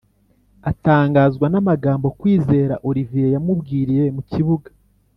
atangazwa n’amagambo kwizera olivier yamubwiriye mu kibuga.